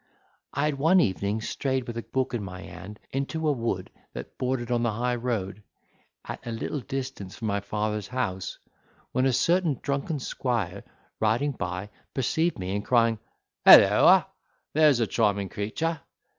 'I had one evening strayed, with a book in my hand, into a wood that bordered on the high road, at a little distance from my father's house, when a certain drunken squire, riding by, perceived me, and crying, "Holloa, there's a charming creature!"